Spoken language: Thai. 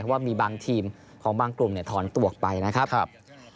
ว่ามีบางทีมของบางกลุ่มถอนตัวออกไปนะครับ